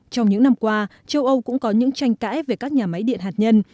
trong những năm qua châu âu cũng có những tranh cãi về các nhà máy điện hạt nhân